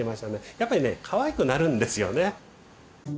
やっぱりねかわいくなるんですよね。